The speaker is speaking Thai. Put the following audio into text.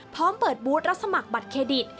พร้อมเปิดบูธรับสมัครบัตรเครดิต